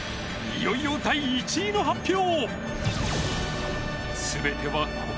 いよいよ、第１位の発表！